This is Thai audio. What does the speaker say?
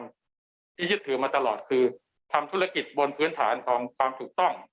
ที่ยึดถือมาตลอดคือทำธุรกิจบนพื้นฐานของความถูกต้อง